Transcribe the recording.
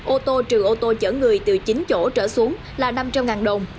ô tô trừ ô tô chở người từ chín chỗ trở xuống là năm trăm linh đồng